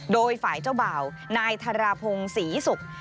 โดยฝ่ายเจ้าบ่าวนายธรพงศรีศุกร์